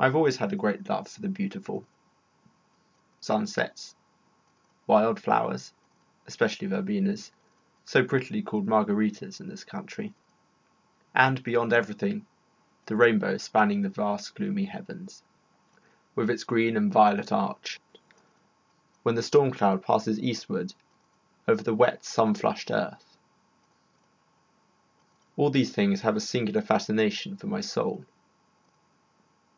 I have always had a great love for the beautiful: sunsets, wild flowers, especially verbenas, so prettily called margaritas in this country; and beyond everything the rainbow spanning the vast gloomy heavens, with its green and violet arch, when the storm cloud passes eastward over the wet sun flushed earth. All these things have a singular fascination for my soul.